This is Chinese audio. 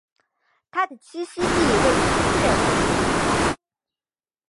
它们的栖息地位于月桂林中。